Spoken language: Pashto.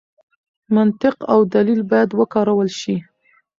منطق او دلیل باید وکارول شي.